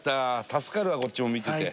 助かるわこっちも見てて。